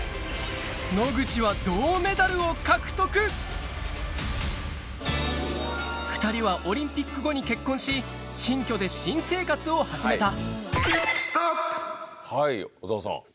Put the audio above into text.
野口はを獲得２人はオリンピック後に結婚し新居で新生活を始めたはい小沢さん。